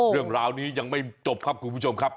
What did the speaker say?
เรื่องราวนี้ยังไม่จบครับคุณผู้ชมครับ